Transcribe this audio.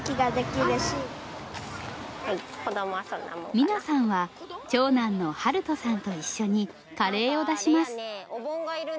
美奈さんは長男の啓人さんと一緒にカレーを出します。